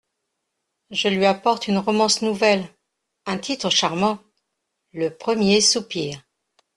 Je lui apporte une romance nouvelle… un titre charmant : le Premier Soupir.